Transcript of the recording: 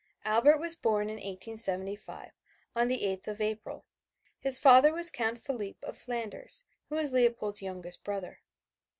Albert was born in 1875 on the Eighth of April. His father was Count Philippe of Flanders who was Leopold's youngest brother.